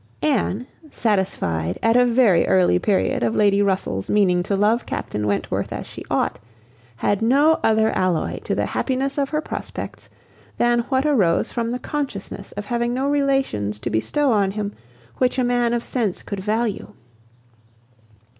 Anne, satisfied at a very early period of Lady Russell's meaning to love Captain Wentworth as she ought, had no other alloy to the happiness of her prospects than what arose from the consciousness of having no relations to bestow on him which a man of sense could value.